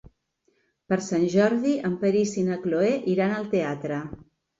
Per Sant Jordi en Peris i na Cloè iran al teatre.